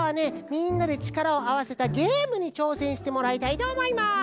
みんなでちからをあわせたゲームにちょうせんしてもらいたいとおもいます。